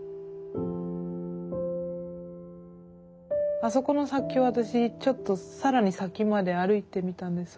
あそこの先を私ちょっと更に先まで歩いてみたんです。